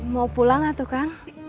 mau pulang lah tuh kang